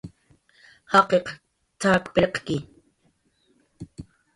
"Jaqiq t""ak pirqki"